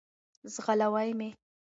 ځغلوی مي .